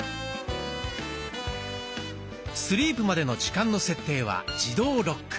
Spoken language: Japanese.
スリープまでの時間の設定は「自動ロック」。